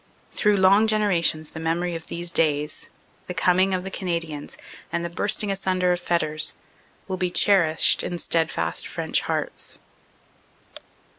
Through long generations the memory of these days, the coming of the Canadians and the bursting asunder of fetters, will be cherished in steadfast French hearts.